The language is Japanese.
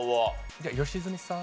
じゃあ良純さん。